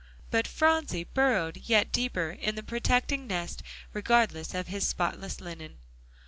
But Phronsie burrowed yet deeper in the protecting nest, regardless of his spotless linen.